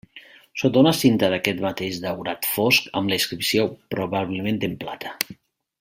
Sota una cinta d'aquest mateix daurat fosc amb una inscripció probablement en plata.